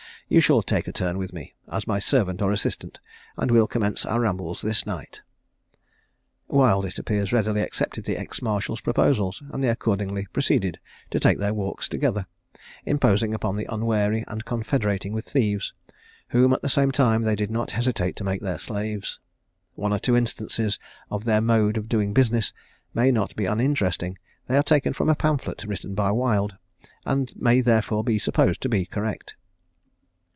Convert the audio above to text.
You shall take a turn with me, as my servant or assistant, and we'll commence our rambles this night." Wild it appears readily accepted the ex marshal's proposals, and they accordingly proceeded to take their walks together, imposing upon the unwary and confederating with thieves, whom at the same time they did not hesitate to make their slaves. One or two instances of their mode of doing business may not be uninteresting. They are taken from a pamphlet written by Wild, and may therefore be supposed to be correct.